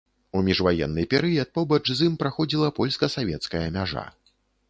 У міжваенны перыяд побач з ім праходзіла польска-савецкая мяжа.